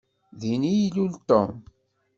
Din i ilul Tom.